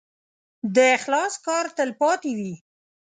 د اخلاص کار تل پاتې وي.